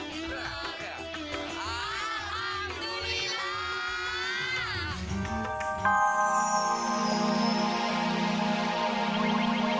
tidak ada yang sedikit sih mak